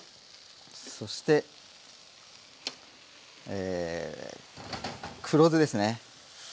そして黒酢ですね。